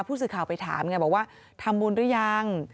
ผู้สื่อข่าวไปถามไงบอกว่าทำบุญหรือยัง